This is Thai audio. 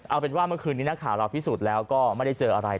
เอาเป็นว่าเมื่อคืนนี้นักข่าวเราพิสูจน์แล้วก็ไม่ได้เจออะไร